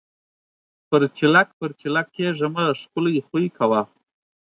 پَرچېلک پَرچېلک کېږه مه! ښکلے خوئې کوه۔